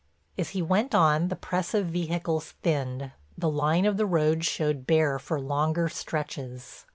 As he went on the press of vehicles thinned, the line of the road showed bare for longer stretches.